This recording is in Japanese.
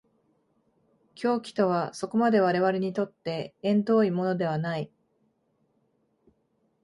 狂気とはそこまで我々にとって縁遠いものではない。